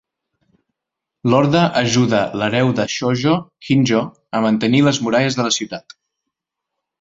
L'Orde ajuda l'hereu de Shojo, Hinjo, a mantenir les muralles de la ciutat.